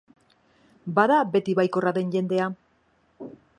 Bada beti baikorra den jendea.